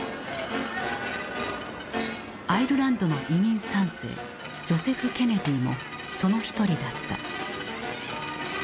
アイルランドの移民３世ジョセフ・ケネディもその一人だった。